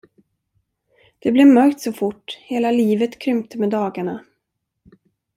Det blev mörkt så fort, hela livet krympte med dagarna.